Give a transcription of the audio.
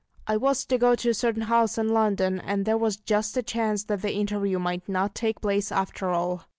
I was to go to a certain house in London, and there was just a chance that the interview might not take place after all.